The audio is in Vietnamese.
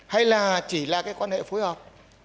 hay là chỉ là cái quan hệ phối hợp